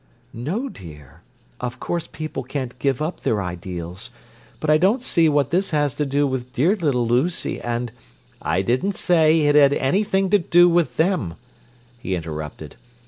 "No, dear; of course people can't give up their ideals; but I don't see what this has to do with dear little Lucy and—" "I didn't say it had anything to do with them," he interrupted.